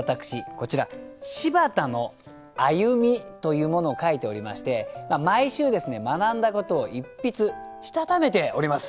こちら「柴田の歩み」というものを書いておりまして毎週ですね学んだことを一筆したためております。